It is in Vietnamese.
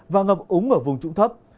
và ngập úng ở vùng trụng thấp